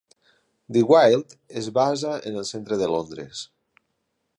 The Guild es basa en el centre de Londres.